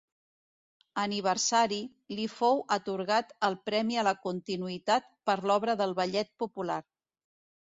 Aniversari, li fou atorgat el Premi a la Continuïtat per l'Obra del Ballet Popular.